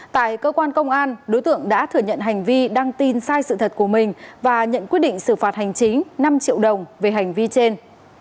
tại cơ quan công an đối tượng đã thừa nhận hành vi đăng tin sai sự thật của mình và nhận quyết định xử phạt hành chính năm triệu đồng về hành vi trên